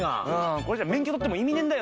これじゃ免許取っても意味ねえんだよ